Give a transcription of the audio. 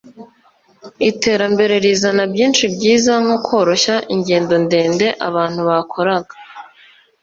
Iterembere rizana byinshi byiza nko koroshya ingendo ndende abantu bakoraga